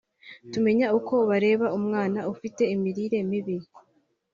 tumenya uko bareba umwana ufite imirire mibi